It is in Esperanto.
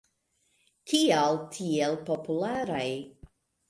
Kial tiel popularaj?